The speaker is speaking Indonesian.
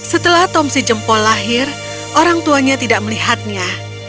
setelah tom si jempol lahir orang tuanya tidak melihatnya